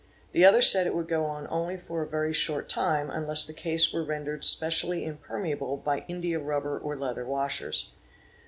The other said it would go only for a very short time unless the case were rendered specially impermeable by india rubber or leather washers.